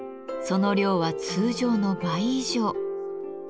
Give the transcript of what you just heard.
その量は通常の倍以上。